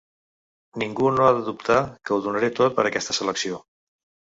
Ningú no ha de dubtar que ho donaré tot per aquesta selecció.